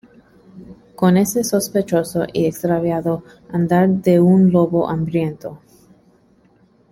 Con ese sospechoso y extraviado andar de un lobo hambriento.